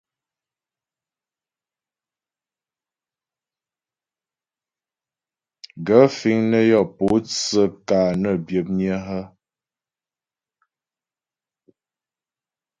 Gaə̂ fíŋ nə́ yɔ́ pótsə́ ka nə́ byə̌pnyə́ a ?